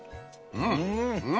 うん！